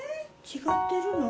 違ってるの？